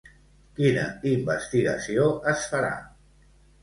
Quina investigació es farà?